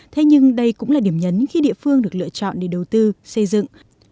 thế nhưng đây cũng là điểm nhấn khi địa phương được lựa chọn để đầu tư xây dựng